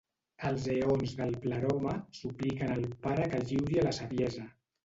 Els eons del Pleroma supliquen al Pare que lliuri a la Saviesa.